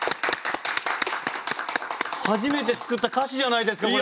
初めて作った歌詞じゃないですかこれ！